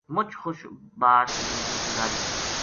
مچ خوش باش زندگی گزاری